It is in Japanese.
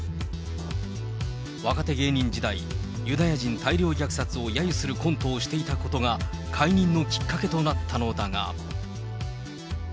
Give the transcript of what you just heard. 若手芸人時代、ユダヤ人大量虐殺をやゆするコントをしていたことが、解任のきっかけとなったのだが。